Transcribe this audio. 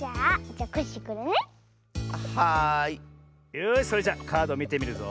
よしそれじゃカードみてみるぞ。